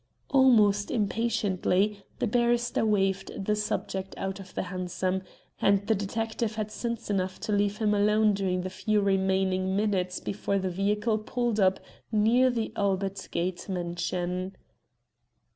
Almost impatiently the barrister waved the subject out of the hansom, and the detective had sense enough to leave him alone during the few remaining minutes before the vehicle pulled up near the Albert Gate mansion.